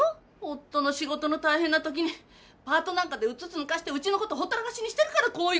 夫の仕事の大変なときにパートなんかでうつつ抜かしてうちのことほったらかしにしてるからこういうことになるんじゃない。